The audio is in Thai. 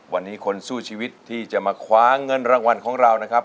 วันนี้คนสู้ชีวิตที่จะมาคว้าเงินรางวัลของเรานะครับ